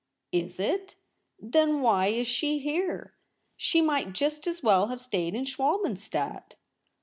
'Is it ? Then why is she here ? She might just as well have stayed in Schwalben stadt.'